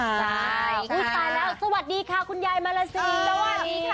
ใช่พูดไปแล้วสวัสดีค่ะคุณยายมารัสนิสวัสดีค่ะ